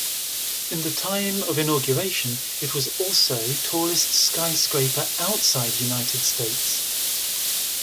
In the time of inauguration it was also tallest skyscraper outside United States.